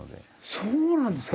そうなんですか！